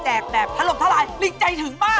แจกแบบทะลมทะลายรินใจถึงมาก